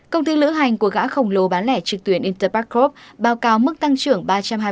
công ty lữ hành của gã khổng lồ bán lẻ trực tuyến interpark group báo cáo mức tăng trưởng ba trăm hai mươi bốn